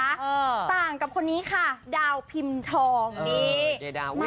ต่างกับคนนี้ค่ะดาวพิมพ์ทองนี่